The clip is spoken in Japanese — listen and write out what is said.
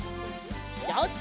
よし。